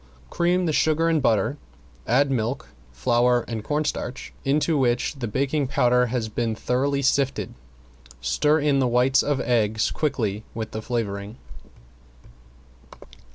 Cream the sugar and butter, add milk, flour and cornstarch into which the baking powder has been thoroughly sifted, stir in the whites of eggs quickly with the flavoring.